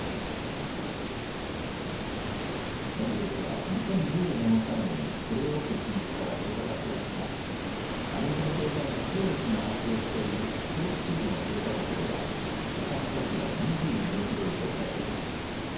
エンジェルスは、２０１４年を最後に、プレーオフ進出から遠ざかっていますが、アメリカの経済誌、フォーブスが発表しているスポーツチームの評価額では、資産価値は２２億ドルとされています。